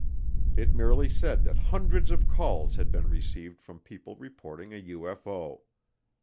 It merely said that hundreds of calls had been received from people reporting a UFO.